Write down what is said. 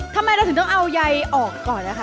ทำไมเราถึงต้องเอายายออกก่อนนะคะ